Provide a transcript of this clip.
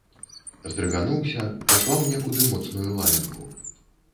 Здрыгануўся, паслаў некуды моцную лаянку.